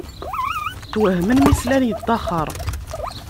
Twehhmen mi slan yeṭṭaxer.